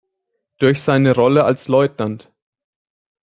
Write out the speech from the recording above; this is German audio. Durch seine Rolle als „Lt.